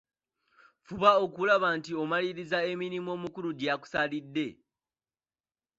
Fuba okulaba nti omaliririza emirimu omukulu gye yakusalidde.